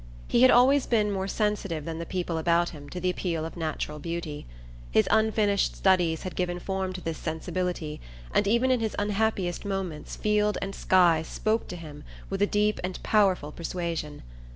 He had always been more sensitive than the people about him to the appeal of natural beauty. His unfinished studies had given form to this sensibility and even in his unhappiest moments field and sky spoke to him with a deep and powerful persuasion.